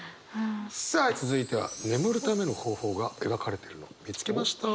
さあ続いては眠るための方法が描かれてるのを見つけました。